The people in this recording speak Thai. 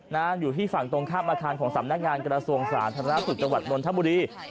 นะฮะอยู่ที่ฝั่งตรงค่าบมาทานของสำนักงานกระทรวงศาลธรรมนาศุกร์จังหวัดลนท่านบุรี